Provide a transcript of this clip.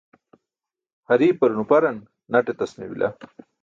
Hariipar nuparan naṭ etas meeybila.